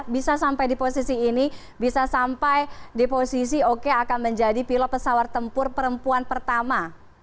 bisa sampai di posisi ini bisa sampai di posisi oke akan menjadi pilot pesawat tempur perempuan pertama